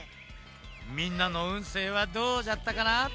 みんなのうんせいはどうじゃったかな？